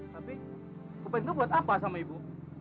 tapi kupon itu buat apa sama ibu